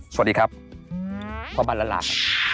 สวัสดีครับพ่อบ้านล้านลา